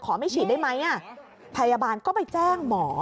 ไม่ฉีดได้ไหมพยาบาลก็ไปแจ้งหมอ